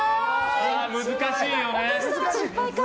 難しいよね。